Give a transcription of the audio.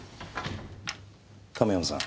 亀山さん。